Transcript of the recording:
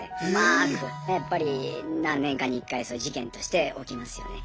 やっぱり何年かに１回はそういう事件として起きますよね。